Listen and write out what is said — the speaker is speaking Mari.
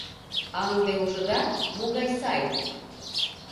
А ынде, ужыда, могай сай?..